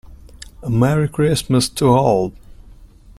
A Merry Christmas to all!